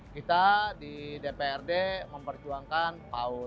kita di dprd memperjuangkan paut